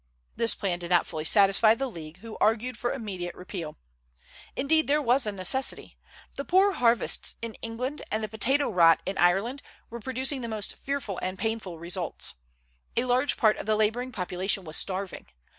This plan did not fully satisfy the League, who argued for immediate repeal. Indeed, there was a necessity. The poor harvests in England and the potato rot in Ireland were producing the most fearful and painful results. A large part of the laboring population was starving.